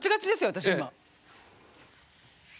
私今。